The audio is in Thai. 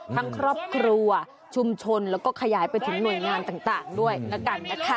ทั้งครอบครัวชุมชนแล้วก็ขยายไปถึงหน่วยงานต่างด้วยแล้วกันนะคะ